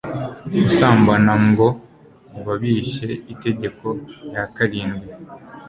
gusambana, ngo baba bishe itegeko rya karindwi